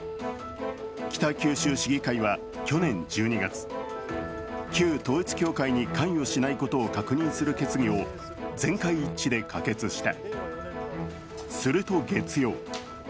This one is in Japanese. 北九州市議会は去年１２月旧統一教会に関与しないことを確認する決議を全会一致で可決した。